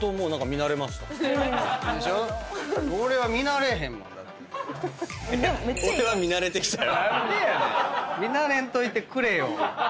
見慣れんといてくれよ！